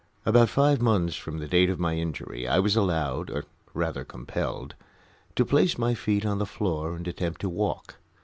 About five months from the date of my injury I was allowed, or rather compelled, to place my feet on the floor and attempt to walk.